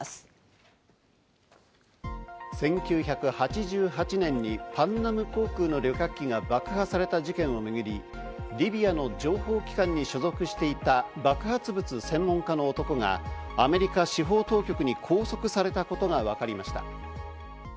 １９８８年にパンナム航空の旅客機が爆破された事件をめぐり、リビアの情報機関に所属していた爆発物専門家の男がアメリカ司法当局に拘束されたことがわかりました。